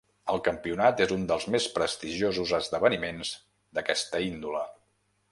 El campionat és un dels més prestigiosos esdeveniments d'aquesta índole.